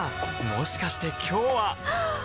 もしかして今日ははっ！